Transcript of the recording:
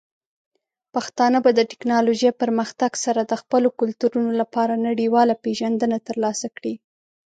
پښتانه به د ټیکنالوجۍ پرمختګ سره د خپلو کلتورونو لپاره نړیواله پیژندنه ترلاسه کړي.